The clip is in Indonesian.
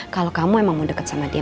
kalau kamu emang mau dekat sama dia